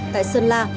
tại sơn la